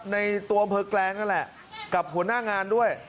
ในตัวอำเภอแกลงนั่นแหละกับหัวหน้างานด้วย